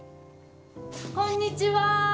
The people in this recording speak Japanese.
こんにちは。